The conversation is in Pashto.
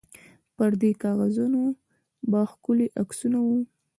پر دې کاغذانو به ښکلي عکسونه وو.